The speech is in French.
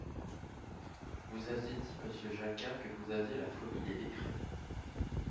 Vous avez dit, monsieur Jacquat, que vous aviez la phobie des décrets.